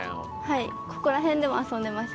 はいここら辺でも遊んでました。